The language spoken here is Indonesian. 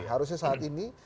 harusnya saat ini